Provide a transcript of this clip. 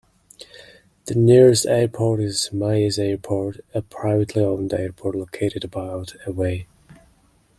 The nearest airport is Mayes Airport, a privately-owned airport located about away.